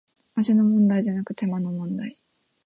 味の問題じゃなく手間の問題